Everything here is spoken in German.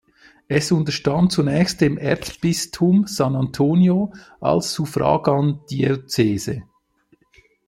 Es unterstand zunächst dem Erzbistum San Antonio als Suffragandiözese.